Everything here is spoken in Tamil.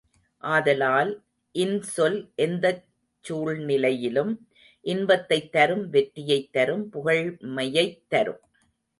ஆதலால், இன்சொல் எந்தச் சூழ்நிலையிலும் இன்பத்தைத் தரும் வெற்றியைத் தரும் புகழ்மையைத் தரும்.